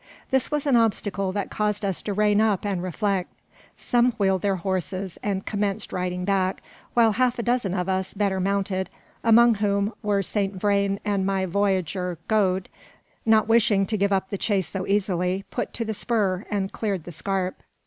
This was an obstacle that caused us to rein up and reflect. Some wheeled their horses, and commenced riding back, while half a dozen of us, better mounted, among whom were Saint Vrain and my voyageur Gode, not wishing to give up the chase so easily, put to the spur, and cleared the scarp.